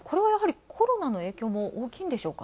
コロナの影響も大きいのでしょうかね。